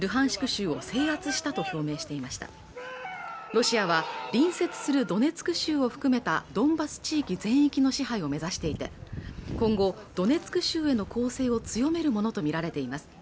州を制圧したと表明していましたロシアは隣接するドネツク州を含めたドンバス地域全域の支配を目指していて今後ドネツク州への攻勢を強めるものと見られています